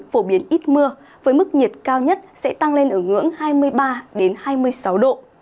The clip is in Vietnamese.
phổ biến ít mưa với mức nhiệt cao nhất sẽ tăng lên ở ngưỡng hai mươi ba hai mươi sáu độ